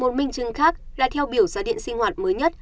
một minh chứng khác là theo biểu giá điện sinh hoạt mới nhất